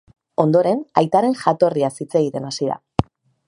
Ondoren, aitaren jatorriaz hitz egiten hasi da.